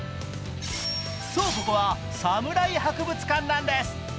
そうここはサムライ博物館なんです。